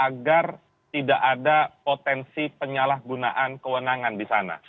agar tidak ada potensi penyalahgunaan kewenangan di sana